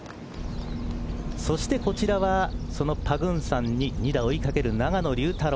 そしてこちらはそのパグンサンに２打追い掛ける永野竜太郎。